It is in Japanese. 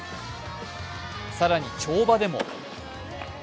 更に跳馬でも。